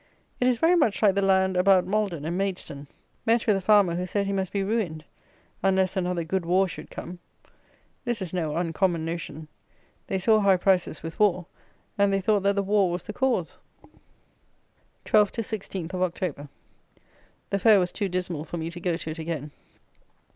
It is very much like the land about Malden and Maidstone. Met with a farmer who said he must be ruined, unless another "good war" should come! This is no uncommon notion. They saw high prices with war, and they thought that the war was the cause. 12 to 16 of October. The fair was too dismal for me to go to it again.